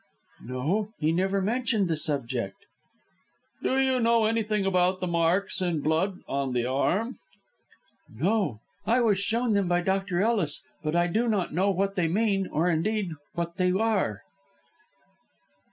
"No. He never mentioned the subject." "Do you know anything about the marks in blood on the arm?" "No. I was shown them by Doctor Ellis, but I do not know what they mean, or, indeed, what they are."